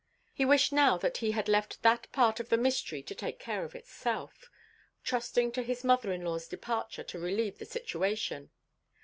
He wished now that he had left that part of the mystery to take care of itself, trusting to his mother in law's departure to relieve the situation.